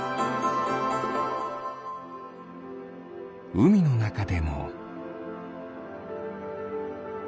うみのなかでも。